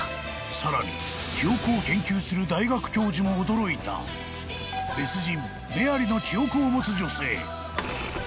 更に記憶を研究する大学教授も驚いた別人メアリの記憶を持つ女性。